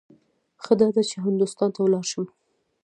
ښه داده چې هندوستان ته ولاړ شم.